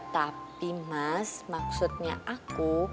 tapi mas maksudnya aku